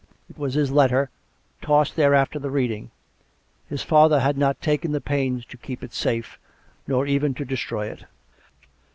It was his letter, tossed there after the reading; his father had not taken the pains to keep it safe, nor even to destroy it.